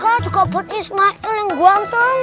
saya juga buat ismail yang guanton